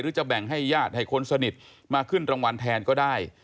จะแบ่งให้ญาติให้คนสนิทมาขึ้นรางวัลแทนก็ได้